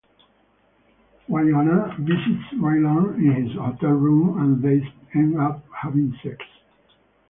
Winona visits Raylan in his hotel room and they end up having sex.